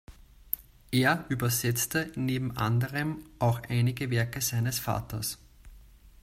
Er übersetzte neben anderem auch einige Werke seines Vaters.